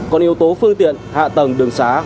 còn yếu tố phương tiện hạ tầng đường xá